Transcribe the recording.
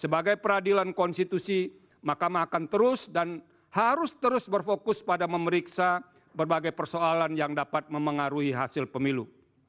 sebagai peradilan konstitusi makamah akan terus dan harus terus berfokus pada memeriksa berbagai persoalan yang dapat memengaruhi hasil pemilu